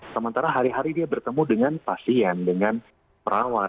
sementara hari hari dia bertemu dengan pasien dengan perawat